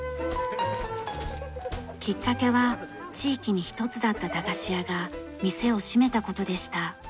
きっかけは地域に一つだった駄菓子屋が店を閉めた事でした。